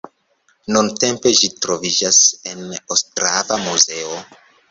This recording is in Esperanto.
Nuntempe ĝi troviĝas en Ostrava muzeo.